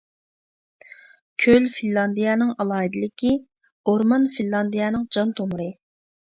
كۆل فىنلاندىيەنىڭ ئالاھىدىلىكى، ئورمان فىنلاندىيەنىڭ جان تومۇرى.